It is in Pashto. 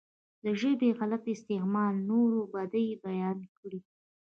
د ژبې غلط استعمال نورو بدۍ بيانې کړي.